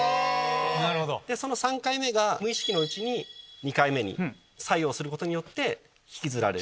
その３回目が無意識のうちに２回目に作用することによって引きずられる。